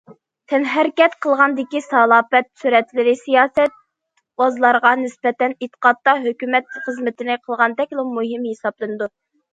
تەنھەرىكەت قىلغاندىكى سالاپەت سۈرەتلىرى سىياسەتۋازلارغا نىسبەتەن ئېيتقاندا ھۆكۈمەت خىزمىتىنى قىلغاندەكلا مۇھىم ھېسابلىنىدۇ.